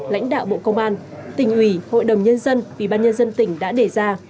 lãnh đạo bộ công an tỉnh ủy hội đồng nhân dân ubnd tỉnh đã đề ra